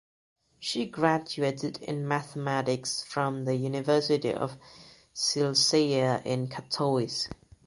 She graduated in mathematics from the University of Silesia in Katowice.